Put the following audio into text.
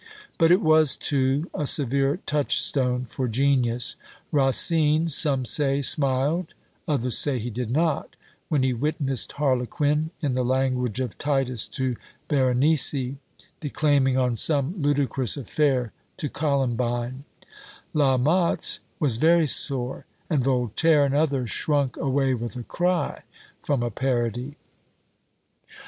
But it was, too, a severe touchstone for genius: Racine, some say, smiled, others say he did not, when he witnessed Harlequin, in the language of Titus to Berenice, declaiming on some ludicrous affair to Columbine; La Motte was very sore, and Voltaire, and others, shrunk away with a cry from a parody!